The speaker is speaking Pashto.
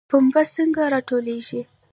پنبه څنګه راټولیږي؟